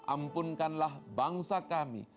ampunkanlah bangsa kami